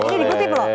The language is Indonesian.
ini dikutip lho